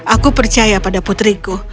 aku percaya pada putriku